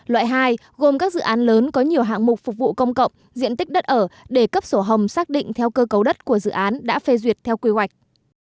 loại hai gồm các dự án lớn có nhiều hạng mục phục vụ công cộng diện tích đất ở để cấp sổ hồng xác định theo cơ cấu đất của dự án đã phê duyệt theo quy hoạch